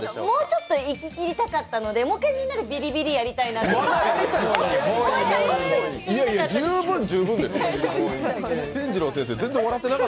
もうちょっといききりたかったのでもう１回みんなでビリビリやりたいなって。